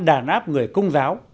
đàn áp người công giáo